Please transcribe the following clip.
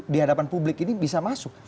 di hadapan publik ini bisa masuk